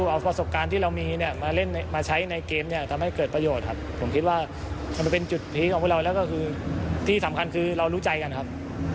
แล้วก็เอาประสบการณ์ที่เรามีมาใช้ในเกมทำให้เกิดประโยชน์ครับผมคิดว่ามันเป็นจุดพีคของพวกเราแล้วก็คือที่สำคัญคือเรารู้ใจกันครับ